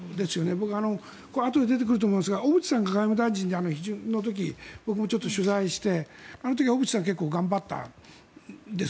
僕、あとで出てくると思いますが小渕外務大臣が批准の時に僕も取材してあの時は小渕さんは結構、頑張ったんです。